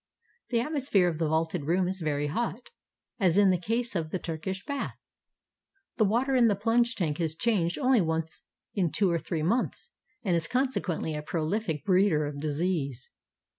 The atmos phere of the vaulted room is very hot, as in the case of the Turkish bath. The water in the plunge tank is changed only once in two or three months, and is conse quently a proHfic breeder of disease.